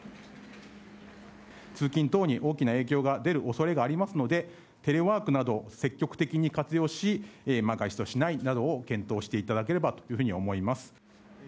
通勤等に大きな影響が出るおそれがありますので、テレワークなど、積極的に活用し、外出をしないなどを検討していただければというふうに思います。